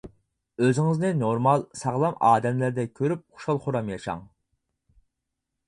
ئۆزىڭىزنى نورمال، ساغلام ئادەملەردەك كۆرۈپ، خۇشال-خۇرام ياشاڭ.